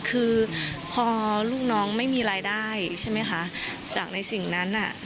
คือพอลูกน้องไม่มีรายได้ใช่ไหมคะจากในสิ่งนั้นอ่ะ